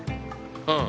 うん。